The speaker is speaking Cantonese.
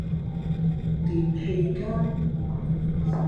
電氣街